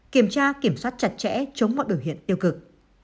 kiểm tra kiểm soát chặt chẽ chống mọi biểu hiện tiêu cực